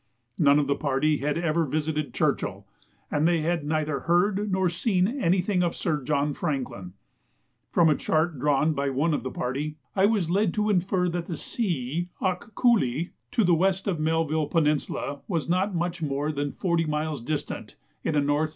None of the party had ever visited Churchill, and they had neither heard nor seen anything of Sir John Franklin. From a chart drawn by one of the party, I was led to infer that the sea (Akkoolee), to the west of Melville Peninsula, was not much more than forty miles distant in a N.N.